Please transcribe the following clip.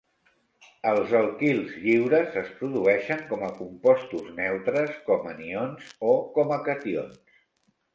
Els alquils lliures es produeixen com a compostos neutres, com anions, o com a cations.